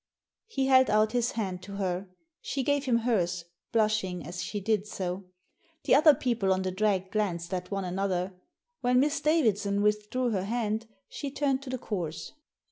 He held out his hand to her. She gave him hers, blushing as she did so. The other people on the drag glanced at one another. When Miss Davidson withdrew her hand she turned to the course.